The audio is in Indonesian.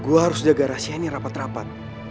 gue harus jaga rahasia ini rapat rapat